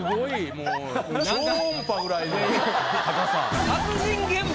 もう超音波ぐらいの高さ。